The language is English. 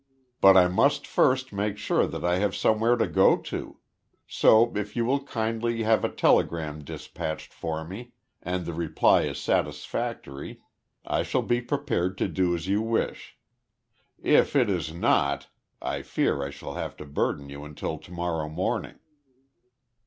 "But I must first make sure that I have somewhere to go to. So if you will kindly have a telegram dispatched for me, and the reply is satisfactory, I shall be prepared to do as you wish. If it is not, I fear I shall have to burden you until to morrow morning."